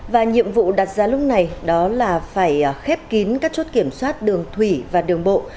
và nhiệm vụ đặt ra lúc này đó là phải khép kín các chốt kiểm soát đường thủy và đường bộ